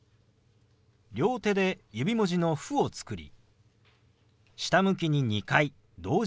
両手で指文字の「フ」を作り下向きに２回同時に動かします。